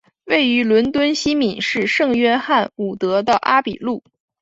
位于伦敦西敏市圣约翰伍德的阿比路。